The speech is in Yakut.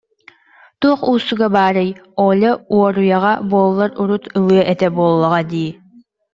Туох уустуга баарый, Оля уоруйаҕа буоллар урут ылыа этэ буоллаҕа дии